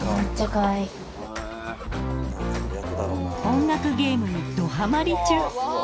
音楽ゲームにどハマり中！